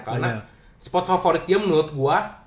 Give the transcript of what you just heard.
karena spot favorit dia menurut gua